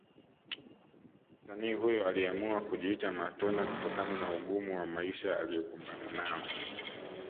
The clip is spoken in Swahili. Msanii huyo aliamua kujiita Matonya kutokana na ugumu wa maisha aliokumbana nao